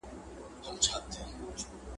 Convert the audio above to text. آیا د ملکیار هوتک په اړه د حبیبي نظر سم دی؟